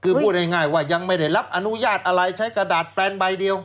คือพูดง่ายว่ายังไม่ได้รับอนุญาตอะไรใช้กระดาษแปลนใบเดียว